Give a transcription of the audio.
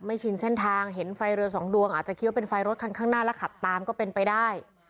ชินเส้นทางเห็นไฟเรือสองดวงอาจจะคิดว่าเป็นไฟรถคันข้างหน้าแล้วขับตามก็เป็นไปได้